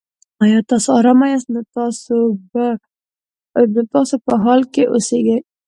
که تاسو ارامه یاست؛ نو تاسو په حال کې اوسېږئ.